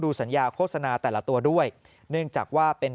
สัญญาโฆษณาแต่ละตัวด้วยเนื่องจากว่าเป็น